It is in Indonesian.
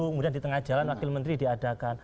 kemudian di tengah jalan wakil menteri diadakan